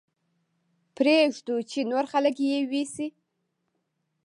پرې يې ږدو چې نور خلک يې ويسي.